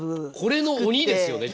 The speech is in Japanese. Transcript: これの鬼ですよね？